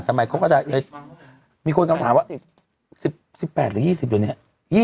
ทำไมเขาก็จะมีคนก็ถามว่า๑๘หรือ๒๐อยู่เนี่ย